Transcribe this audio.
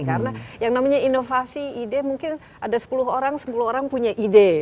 karena yang namanya inovasi ide mungkin ada sepuluh orang sepuluh orang punya ide